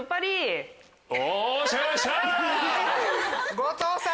後藤さん！